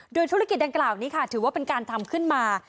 โดยธุรกิจดังกล่าวนี้ค่ะถือว่าเป็นการทำขึ้นมา